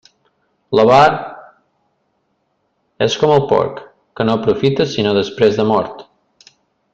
L'avar és com el porc, que no aprofita sinó després de mort.